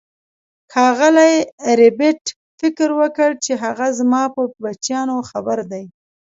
ښاغلي ربیټ فکر وکړ چې هغه زما په بچیانو خبر دی